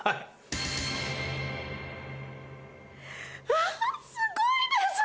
ああすごいです！